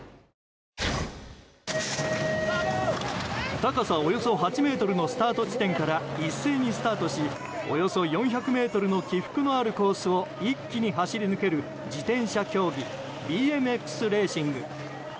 高さおよそ８ｍのスタート地点から一斉にスタートしおよそ４００ｍの起伏のあるコースを一気に走り抜ける自転車競技ＢＭＸレーシング。